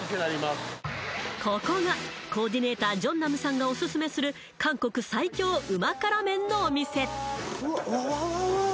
ここがコーディネータージョンナムさんがオススメする韓国最強うま辛麺のお店うわっわわわわ！